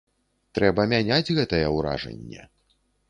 Трэба мяняць гэтае ўражанне.